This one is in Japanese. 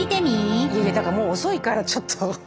いやいやもう遅いからちょっと。